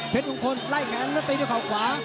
เพชรงคลไล่แขนแล้วตีด้วยข่าวขวา